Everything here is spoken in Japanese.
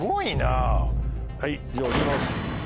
はいじゃあ押します。